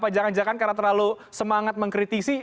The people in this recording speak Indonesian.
jangan jangan karena terlalu semangat mengkritisi